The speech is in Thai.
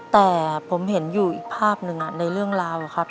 แต่ผมเห็นอยู่อีกภาพหนึ่งในเรื่องราวครับ